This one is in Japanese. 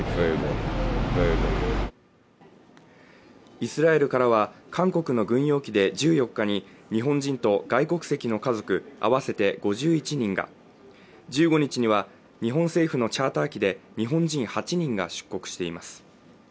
イスラエルからは韓国の軍用機で１４日に日本人と外国籍の家族合わせて５１人が１５日には日本政府のチャーター機で日本人８人が出国しています